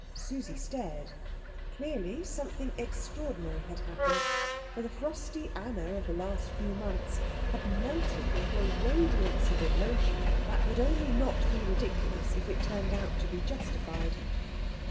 Susie stared. Clearly something extraordinary had happened, for the frosty Anna of the last few months had melted into a radiance of emotion that would only not be ridiculous if it turned out to be justified.